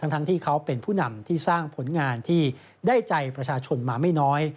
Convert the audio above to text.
ทั้งที่เขาเป็นผู้นำที่สร้างผลงานที่ได้ใจประชาชนมาไม่น้อย